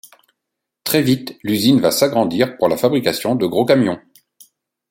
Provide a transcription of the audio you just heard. Très vite, l'usine va s'agrandir pour la fabrication de gros camions.